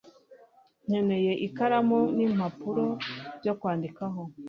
nkeneye ikaramu n'impapuro byo kwandikaho